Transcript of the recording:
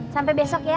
sampai besok ya